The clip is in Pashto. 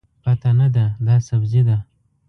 پته نه ده، دا سبزي ده.